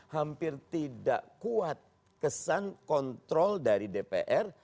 hampir tidak kuat kesan kontrol dari dpr